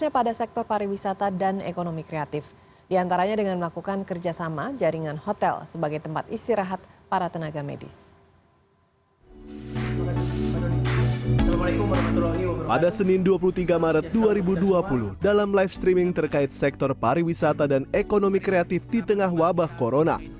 pada senin dua puluh tiga maret dua ribu dua puluh dalam live streaming terkait sektor pariwisata dan ekonomi kreatif di tengah wabah corona